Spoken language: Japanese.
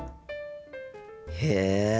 へえ。